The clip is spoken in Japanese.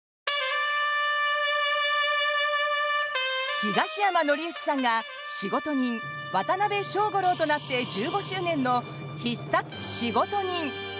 東山紀之さんが仕事人・渡辺小五郎となって１５周年の「必殺仕事人」。